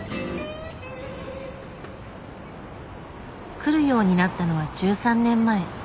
来るようになったのは１３年前。